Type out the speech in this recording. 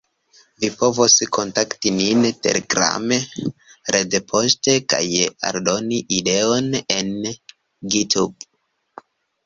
Vi povos kontakti nin Telegrame, retpoŝte kaj aldoni ideojn en Github.